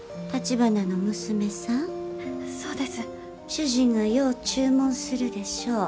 主人がよう注文するでしょう。